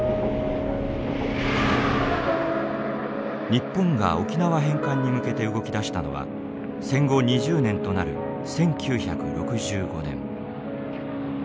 日本が沖縄返還に向けて動き出したのは戦後２０年となる１９６５年。